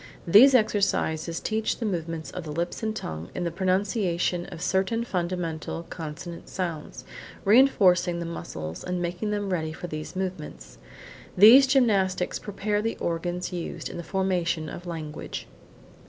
These exercises teach the movements of the lips and tongue in the pronunciation of certain fundamental consonant sounds, reinforcing the muscles, and making them ready for these movements. These gymnastics prepare the organs used in the formation of language.